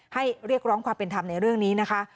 เรียกร้องความเป็นธรรมในเรื่องนี้นะคะ